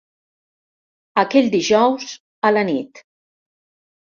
Aquell dijous, a la nit